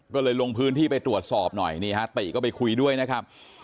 ก็เลยลงพื้นที่ไปตรวจสอบหน่อยนี่ฮะติก็ไปคุยด้วยนะครับ